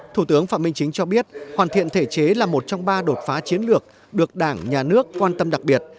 thủ tướng phạm minh chính cho biết hoàn thiện thể chế là một trong ba đột phá chiến lược được đảng nhà nước quan tâm đặc biệt